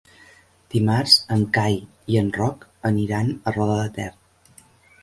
Dimarts en Cai i en Roc aniran a Roda de Ter.